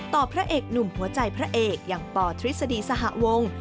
พระเอกหนุ่มหัวใจพระเอกอย่างปทฤษฎีสหวง